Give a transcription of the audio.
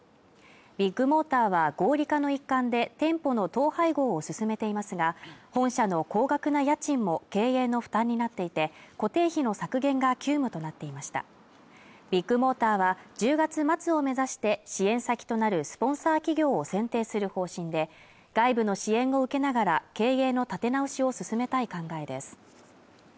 ビッグモーターは合理化の一環で店舗の統廃合を進めていますが本社の高額な家賃も経営の負担になっていて固定費の削減が急務となっていましたビッグモーターは１０月末を目指して支援先となるスポンサー企業を選定する方針で外部の支援を受けながら経営の立て直しを進めたい考えです